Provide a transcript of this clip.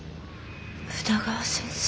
宇田川先生。